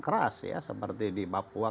keras seperti di papua